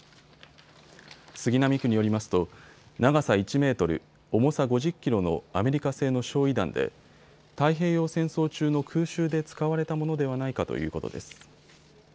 杉並区によりますと長さ１メートル、重さ５０キロのアメリカ製の焼い弾で太平洋戦争中の空襲で使われたものではないかということです。